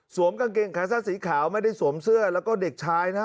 กางเกงขาสั้นสีขาวไม่ได้สวมเสื้อแล้วก็เด็กชายนะฮะ